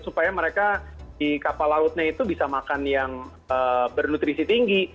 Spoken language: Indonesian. supaya mereka di kapal lautnya itu bisa makan yang bernutrisi tinggi